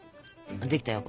できたよ